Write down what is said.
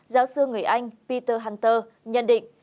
giáo sư người anh peter hunter nhận định